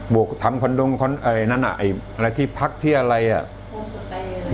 ปลูกทำคอนดองจริงจริงที่อะไรอาทารกษ์ที่อะไรอ่ะ